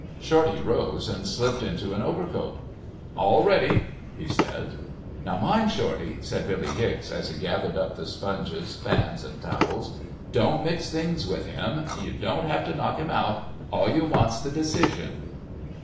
Shorty rose and slipped into an overcoat. "All ready," he said. "Now mind, Shorty," said Billy Hicks, as he gathered up the sponges, fans and towels, "don't mix things with him, you don't have to knock him out, all you want's the decision."